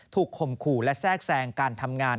ถูกคมขู่และแทรกแสงการทำงาน